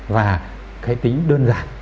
và cái tính đơn giản